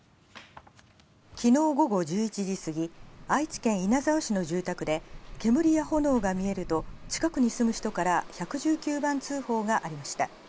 昨日午後１１時すぎ愛知県稲沢市の住宅で「煙や炎が見える」と近くに住む人から１１９番通報がありました。